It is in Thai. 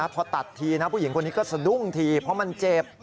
พอตัดทีนะผู้หญิงคนนี้ก็สะดุ้งทีเพราะมันเจ็บ